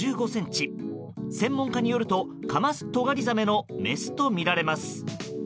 専門家によるとカマストガリザメのメスとみられます。